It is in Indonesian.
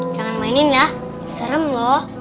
jangan mainin ya serem loh